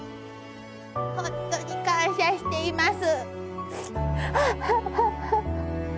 ほんとに感謝しています。